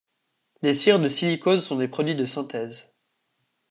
Les cires de silicone sont des produits de synthèse.